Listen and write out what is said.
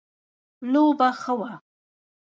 لوبه ښه وه